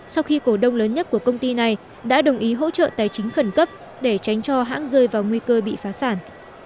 sau khi cổ đông lớn nhất của công ty này đã đồng ý hỗ trợ tài chính khẩn cấp để tránh cho hãng rơi vào nguy cơ bị phá sản